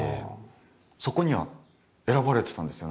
そこには選ばれてたんですよ